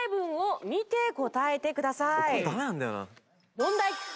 問題。